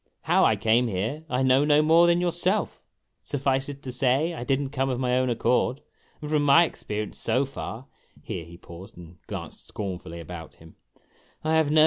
How I came here, I know no more than yourself. Suffice it to say, I did n't come of my own accord ; and, from my experience so far," here he paused and glanced scornfully about him, " I have no